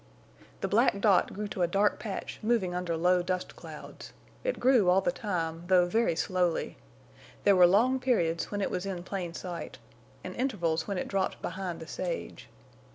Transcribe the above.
The black dot grew to a dark patch moving under low dust clouds. It grew all the time, though very slowly. There were long periods when it was in plain sight, and intervals when it dropped behind the sage.